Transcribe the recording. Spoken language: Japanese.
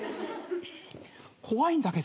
怖いんだけど。